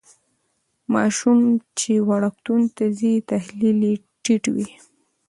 ماشوم چې وړکتون ته ځي تحلیل یې ټیټ وي.